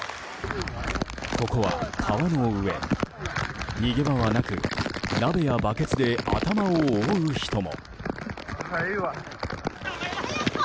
ここは川の上、逃げ場はなく鍋やバケツで頭を覆う人も。